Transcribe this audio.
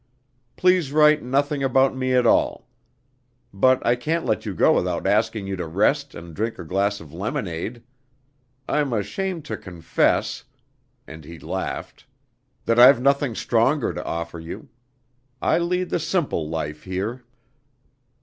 Please write nothing about me at all. But I can't let you go without asking you to rest and drink a glass of lemonade. I'm ashamed to confess" and he laughed "that I've nothing stronger to offer you. I lead the simple life here!"